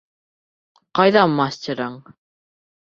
Ҡайҙа мастерың?